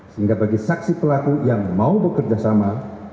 sehingga bagi saksi pelaku yang mau bekerja sama